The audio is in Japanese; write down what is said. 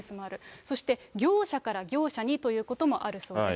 そして業者から業者にということもあるそうです。